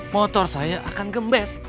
motor saya akan gembes